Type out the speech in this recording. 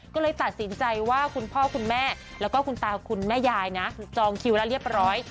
ก็เลยตัดสินใจว่าคุณพ่อคุณแม่แล้วก็คุณตาคุณแม่ยายนะจองคิวแล้วเรียบร้อย